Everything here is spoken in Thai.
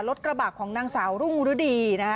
รถกระบักของนางสาวรุ่งรุดีนะครับ